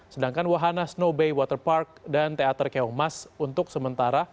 sedangkan wahana snow bay waterpark dan teater keongmas untuk sementara